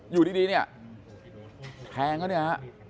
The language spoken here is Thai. อยู่ดีเนี่ยแพงแล้วเนี่ย